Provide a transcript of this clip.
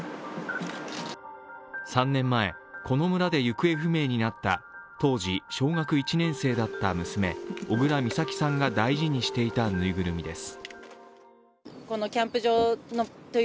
３年前、この村で行方不明になった当時小学１年生だった娘・小倉美咲さんが大事にしていたぬいぐるみです。